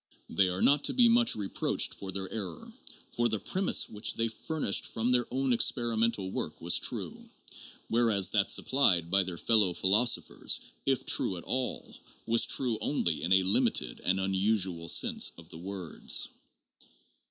They are not to be much reproached for their error; for the premise which they furnished from their own experimental work was true, whereas that supplied by their fellow philosophers, if true at all, was true only in a limited and unusual sense of the words.